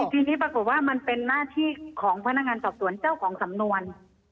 ทีนี้ปรากฏว่ามันเป็นหน้าที่ของพนักงานสอบสวนเจ้าของสำนวน